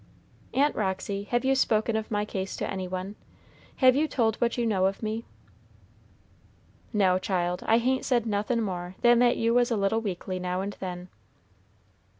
"Aunt Roxy, have you spoken of my case to any one, have you told what you know of me?" "No, child, I hain't said nothin' more than that you was a little weakly now and then."